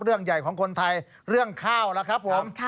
เรื่องใหญ่ของคนไทยเรื่องข้าวล่ะครับผม